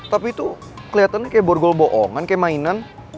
tapi itu kelihatannya kayak borgol bohongan kayak mainan